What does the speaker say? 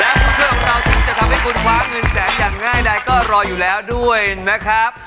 และผู้ช่วยของเราซึ่งจะทำให้คุณคว้าเงินแสนอย่างง่ายใดก็รออยู่แล้วด้วยนะครับ